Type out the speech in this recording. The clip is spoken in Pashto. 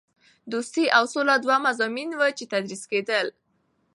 دوستي او سوله دوه مضامین وو چې تدریس کېدل.